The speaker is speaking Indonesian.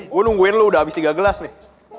gue nungguin lu udah habis tiga gelas nih